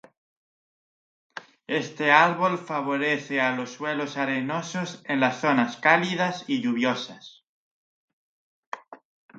Este árbol favorece a los suelos arenosos en las zonas cálidas y lluviosas.